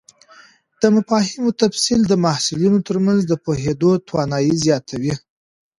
د مفاهیمو تفصیل د محصلینو تر منځ د پوهېدو توانایي زیاتوي.